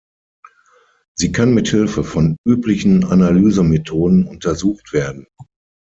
Sie kann mit Hilfe von üblichen Analysemethoden untersucht werden.